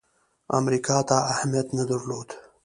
امریکا ته اهمیت نه درلود.